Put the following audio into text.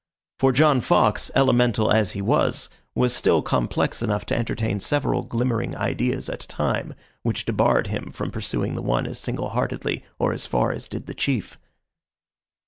For John Fox, elemental as he was, was still complex enough to entertain several glimmering ideas at a time, which debarred him from pursuing the one as single heartedly or as far as did the chief.